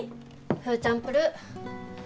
フーチャンプルー。